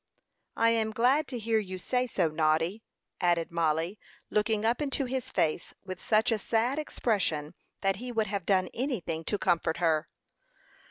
"I am glad to hear you say so, Noddy," added Mollie, looking up into his face with such a sad expression that he would have done anything to comfort her.